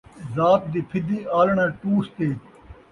ذات دی پِھدی ، آلݨاں ٹوس تے